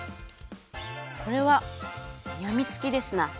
これはやみつきですな。